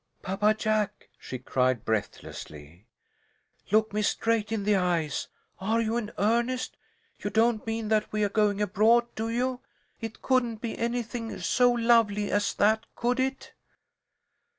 "Papa Jack," she cried, breathlessly, "look me straight in the eyes! Are you in earnest? You don't mean that we are going abroad, do you? It couldn't be anything so lovely as that, could it?"